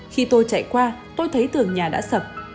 khi tôi chạy qua tôi thấy tường nhà đã sập